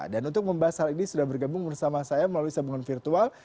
dan untuk membahas hal ini sudah bergabung bersama saya melalui sambungan virtual